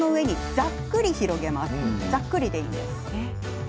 ざっくりでいいです。